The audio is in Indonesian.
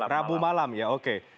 rabu malam ya oke